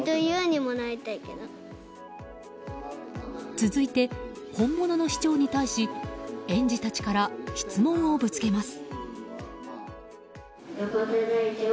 続いて、本物の市長に対し園児たちから質問をぶつけます。